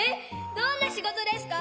どんなしごとですか？